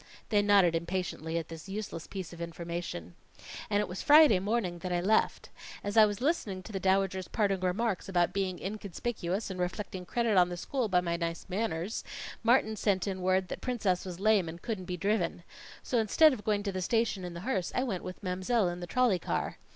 They nodded impatiently at this useless piece of information. "And it was Friday morning that I left. As I was listening to the Dowager's parting remarks about being inconspicuous and reflecting credit on the school by my nice manners, Martin sent in word that Princess was lame and couldn't be driven. So instead of going to the station in the hearse, I went with Mam'selle in the trolley car.